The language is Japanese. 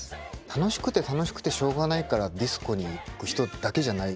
楽しくて楽しくてしょうがないからディスコに行く人だけじゃないわけじゃないですか。